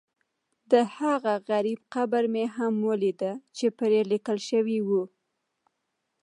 دهغه غریب قبر مې هم ولیده چې پرې لیکل شوي و.